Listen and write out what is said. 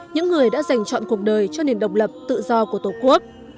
những người đã dành chọn cuộc đời cho nền độc lập tự do của tổ quốc